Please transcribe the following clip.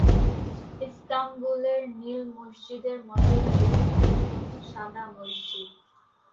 ইস্তাম্বুলের নীল মসজিদের মতই এটি বৃহত্তম সাদা মসজিদ।